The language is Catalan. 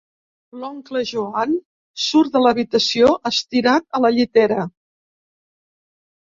L'oncle Joan surt de l'habitació estirat a la llitera.